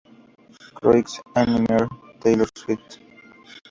Croix, AnneMarie, Taylor St.